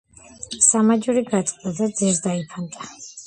სამაჯური გაწყდა და ძირს დაიფანტა